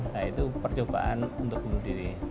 nah itu percobaan untuk bunuh diri